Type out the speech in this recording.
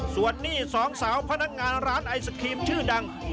ส่วนหนี้สองสาวพนักงานร้านไอศครีมชื่อดัง